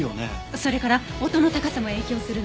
それから音の高さも影響するの。